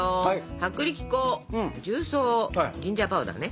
薄力粉重曹ジンジャーパウダーね。